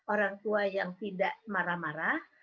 orang tua yang tidak marah marah